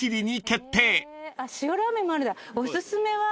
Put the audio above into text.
おすすめは？